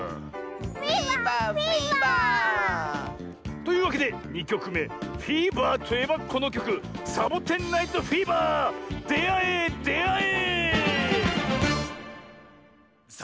フィーバーフィーバー！というわけで２きょくめフィーバーといえばこのきょく「サボテン・ナイト・フィーバー」であえであえ！